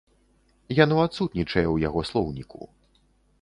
Яно адсутнічае ў яго слоўніку.